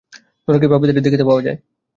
নরকেই পাপীদের দেখিতে পাওয়া যায়।